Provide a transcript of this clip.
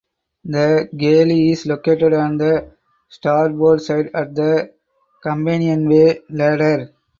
The galley is located on the starboard side at the companionway ladder.